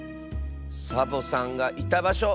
サボさんがいたばしょ。